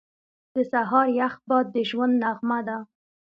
• د سهار یخ باد د ژوند نغمه ده.